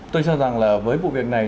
tôi cho rằng là với vụ việc này